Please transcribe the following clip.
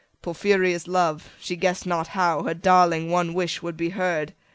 55 Porphyria's love: she guess'd not how Her darling one wish would be heard.